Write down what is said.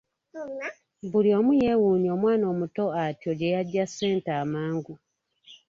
Buli omu yeewuunya omwana omuto atyo gye yaggya ssente amangu.